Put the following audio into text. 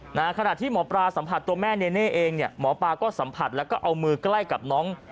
ขณะที่หมอปลาสัมผัสตัวแม่เนเน่เองเนี่ยหมอปลาก็สัมผัสแล้วก็เอามือใกล้กับน้อง